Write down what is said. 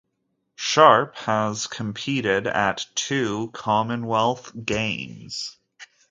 Sharpe has competed at two Commonwealth Games.